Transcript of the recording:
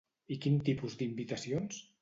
I quin tipus d'invitacions?